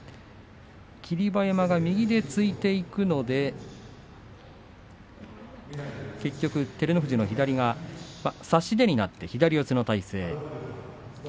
霧馬山が右で突いていくので結局、照ノ富士の左が差し手になって左四つの体勢になり霧